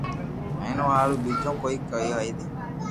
ھين او ھارون ٻيجو ڪوئي ڪوئي ني